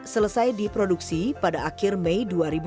selesai diproduksi pada akhir mei dua ribu dua puluh